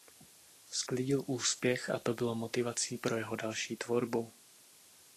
Sklidil úspěch a to bylo motivací pro jeho další tvorbu.